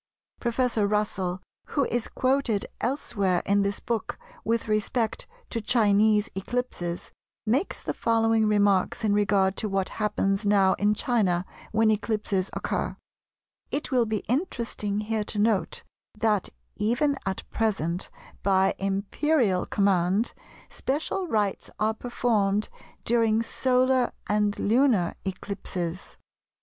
Professor Russell, who is quoted elsewhere in this work with respect to Chinese eclipses, makes the following remarks in regard to what happens now in China when eclipses occur:—"It will be interesting here to note that, even at present, by Imperial command, special rites are performed during solar and lunar eclipses.